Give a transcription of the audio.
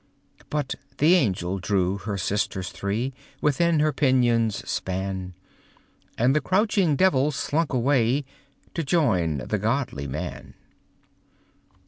But the angel drew her sisters three, Within her pinions' span, And the crouching devil slunk away To join the godly man.